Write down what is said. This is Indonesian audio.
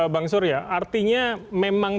bang sur ya artinya memang